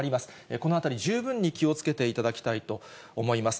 このあたり、十分に気をつけていただきたいと思います。